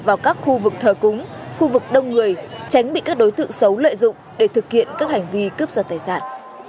vào các khu vực thờ cúng khu vực đông người tránh bị các đối tượng xấu lợi dụng để thực hiện các hành vi cướp giật tài sản